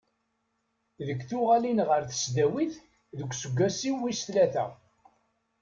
Deg tuɣalin ɣer tesdawit deg useggas-iw wis tlata.